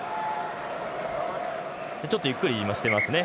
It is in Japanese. ちょっとゆっくりしてますね。